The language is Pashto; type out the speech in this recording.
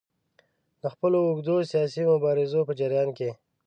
د خپلو اوږدو سیاسي مبارزو په جریان کې.